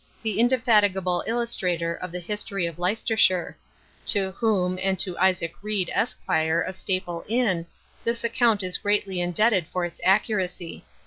the indefatigable illustrator of the History of Leicestershire; to whom, and to Isaac Reed, Esq., of Staple Inn, this account is greatly indebted for its accuracy.